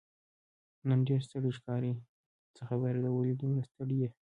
نن ډېر ستړی ښکارې، څه خبره ده، ولې دومره ستړی یې؟